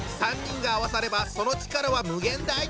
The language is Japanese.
３人が合わさればその力は無限大。